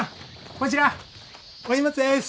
こちらお荷物です！